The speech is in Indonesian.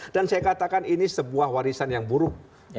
dan saya katakan ini sebuah warisan yang buruk